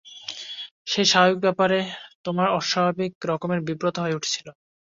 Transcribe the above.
সেই স্বাভাবিক ব্যাপারে তোমরা অস্বাভাবিক রকমের বিব্রত হয়ে উঠেছিল।